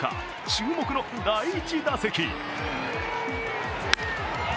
注目の第１打席。